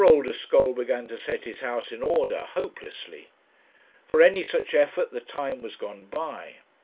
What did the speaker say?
Oldeschole began to set his house in order, hopelessly; for any such effort the time was gone by.